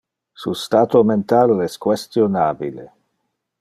Su stato mental es questionabile.